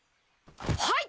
はい！